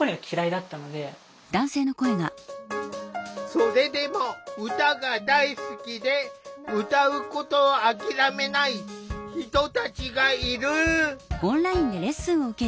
それでも歌が大好きで歌うことを諦めない人たちがいる。